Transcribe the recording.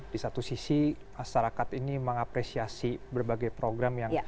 di satu sisi masyarakat ini mengapresiasi berbagai program yang